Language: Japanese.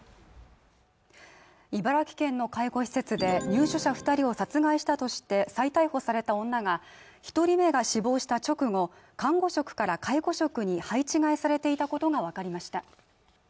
茨城県の介護施設で入所者２人を殺害したとして再逮捕された女が、１人目が死亡した直後、看護職から介護職に配置換えされていたことが分かりました。